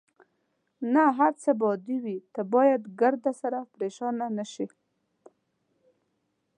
نه، هر څه به عادي وي، ته باید ګردسره پرېشانه نه شې.